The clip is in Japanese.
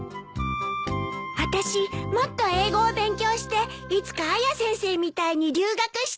あたしもっと英語を勉強していつかアヤ先生みたいに留学したい！